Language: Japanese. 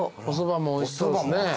おそばもおいしそうですね。